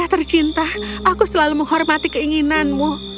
tercinta aku selalu menghormati keinginanmu